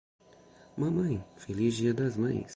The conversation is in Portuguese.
Mamãe, feliz dia das mães!